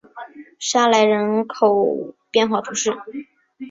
沙莱人口变化图示